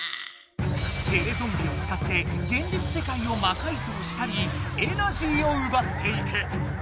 テレゾンビをつかって現実世界をまかいぞうしたりエナジーをうばっていく。